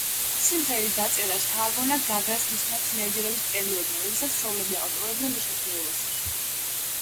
სიმღერის დაწერა შთააგონა გაგას მისმა თინეიჯერობის პერიოდმა როდესაც მშობლები აკონტროლებდნენ მის ჩაცმულობას.